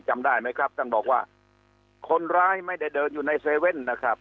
จำได้ไหมครับท่านบอกว่าคนร้ายไม่ได้เดินอยู่ในเซเว่นนะครับ